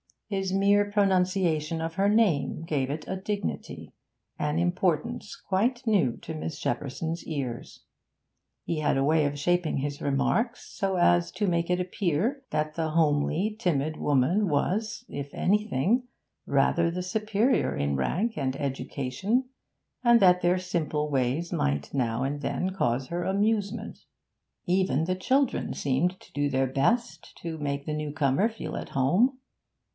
His mere pronunciation of her name gave it a dignity, an importance quite new to Miss Shepperson's ears. He had a way of shaping his remarks so as to make it appear that the homely, timid woman was, if anything, rather the superior in rank and education, and that their simple ways might now and then cause her amusement. Even the children seemed to do their best to make the newcomer feel at home.